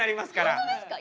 本当ですか？